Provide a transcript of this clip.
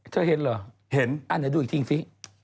เธอเห็นเหรอเห็นอ่าเดี๋ยวดูอีกทิ้งสิ